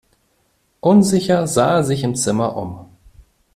Unsicher sah er sich im Zimmer um.